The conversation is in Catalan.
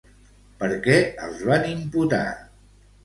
Per què els van imputar?